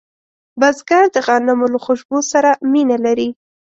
بزګر د غنمو له خوشبو سره مینه لري